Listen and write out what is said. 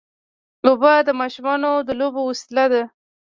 اوبه د ماشومانو د لوبو وسیله ده.